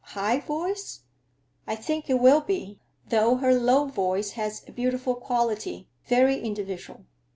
"High voice?" "I think it will be; though her low voice has a beautiful quality, very individual.